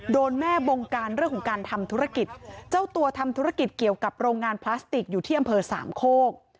โดนแม่บงการเรื่องของการทำธุรกิจเจ้าตัวทำธุรกิจเกี่ยวกับโรงงานพลาสติกอยู่ที่อำเภอสามโคก